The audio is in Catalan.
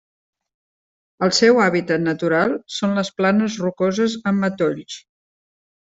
El seu hàbitat natural són les planes rocoses amb matolls.